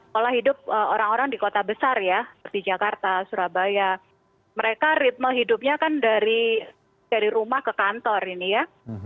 pola hidup orang orang di kota besar ya seperti jakarta surabaya mereka ritme hidupnya kan dari rumah ke kantor ini ya